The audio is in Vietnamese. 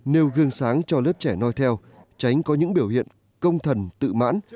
nêu gương sáng cho lớp trẻ nói theo tránh có những biểu hiện công thần tự mãn